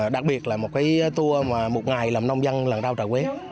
đặc biệt là một cái tour mà một ngày làm nông dân làm rau trà quế